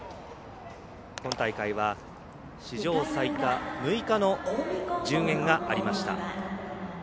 今大会は史上最多６日の順延がありました。